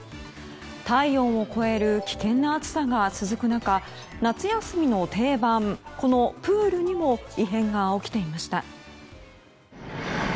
体温を超える危険な暑さが続く中夏休みの定番、このプールにも異変が起きていました。